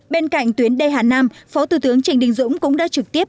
bên cạnh tuyến đê hà nam phó thủ tướng trịnh đình dũng cũng đã trực tiếp